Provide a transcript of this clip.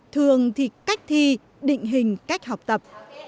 thường thì cách thi định hình cách học tập